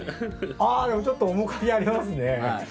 あちょっと面影ありますね。